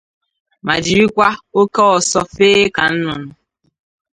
ma jirikwa oke ọsọ fee ka nnụnụ